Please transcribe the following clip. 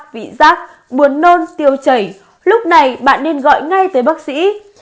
vị rác buồn nôn tiêu chảy lúc này bạn nên gọi ngay tới bác sĩ